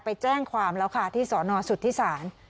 ไปแจ้งความแล้วค่ะที่สนสุธิศาล